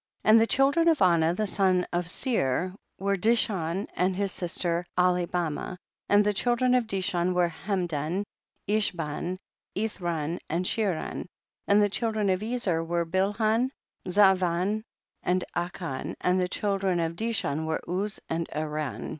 36. And the children of Anah the son of Seir, were Dishon and his sis ter Ahlibamah, and the children of Dishon were Hemdan, Eshban, Ith ran and Cheran, and the children of Ezer were Bilhan, Zaavan, and Akan, and the children of Dishan were Uz and Aran.